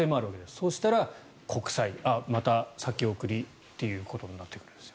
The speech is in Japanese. そしたら国債また先送りということになってきますが。